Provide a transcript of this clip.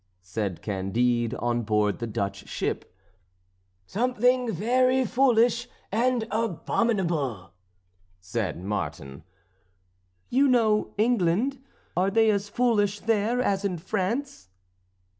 said Candide on board the Dutch ship. "Something very foolish and abominable," said Martin. "You know England? Are they as foolish there as in France?"